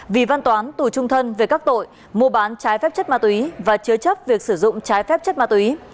vì văn toán tù trung thân về các tội mua bán trái phép chất ma túy và chứa chấp việc sử dụng trái phép chất ma túy